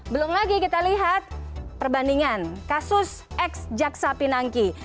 belum lagi kita lihat perbandingan kasus ex jaksa pinangki